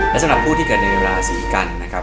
และสำหรับผู้ที่เกิดในราศีกันนะครับ